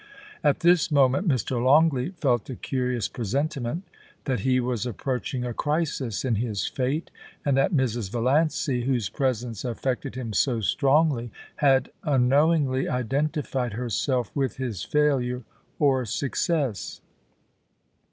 At this moment Mr. Longleat felt a curious presentiment that he was approaching a crisis in his fate, and that Mrs. Valiancy, whose presence affected him so strongly, had unknowingly identified herself with his failure or success.